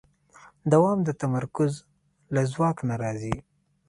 دوام د تمرکز له ځواک نه راځي.